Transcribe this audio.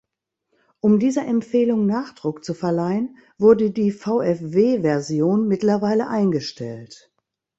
Um dieser Empfehlung Nachdruck zu verleihen, wurde die VfW-Version mittlerweile eingestellt.